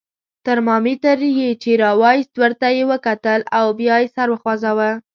ترمامیتر یې چې را وایست، ورته یې وکتل او بیا یې سر وخوځاوه.